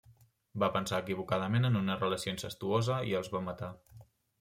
Va pensar equivocadament en una relació incestuosa i els va matar.